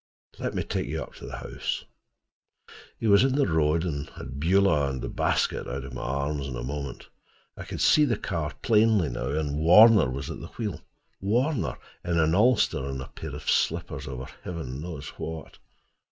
"Let me take you up to the house." He was in the road, and had Beulah and the basket out of my arms in a moment. I could see the car plainly now, and Warner was at the wheel—Warner in an ulster and a pair of slippers, over Heaven knows what.